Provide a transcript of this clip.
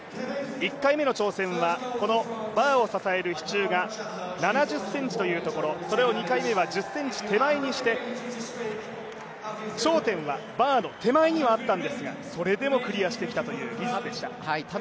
１回目の挑戦は、バーを支える支柱の高さが７４ｃｍというところ、それを２回目は１０ｃｍ手前にして頂点はバーの手前にはあったんですが、それでもクリアしてきたという技術でした。